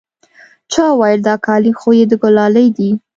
چا وويل دا کالي خو يې د ګلالي دي.